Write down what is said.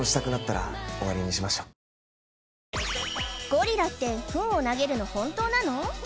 ゴリラってフンを投げるの本当なの？